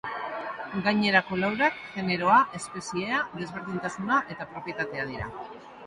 Gainerako laurak generoa, espeziea, desberdintasuna eta propietatea dira.